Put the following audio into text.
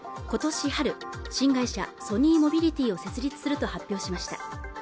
今年春新会社ソニーモビリティを設立すると発表しました